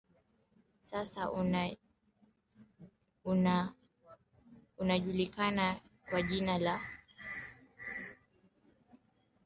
sasa unajulikana kwa jina la Kisangani ambapo alifanya kazi kama karani wa postaBaadaye